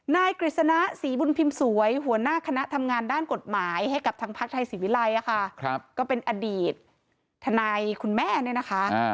กฤษณะศรีบุญพิมพ์สวยหัวหน้าคณะทำงานด้านกฎหมายให้กับทางพักไทยศรีวิรัยก็เป็นอดีตทนายคุณแม่เนี่ยนะคะ